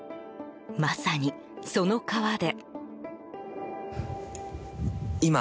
まさに、その川で。